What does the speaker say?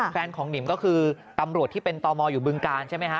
แฟนของหนิมก็คือตำรวจที่เป็นตมอยู่บึงกาลใช่ไหมฮะ